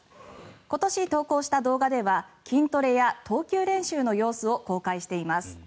今年投稿した動画では筋トレや投球練習の様子を公開しています。